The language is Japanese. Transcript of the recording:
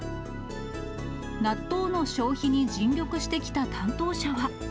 納豆の消費に尽力してきた担当者は。